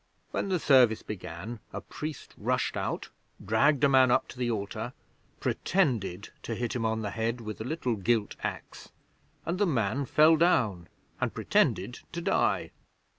When the service began a priest rushed out, dragged a man up to the altar, pretended to hit him on the head with a little gilt axe, and the man fell down and pretended to die.